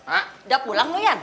udah pulang lu ya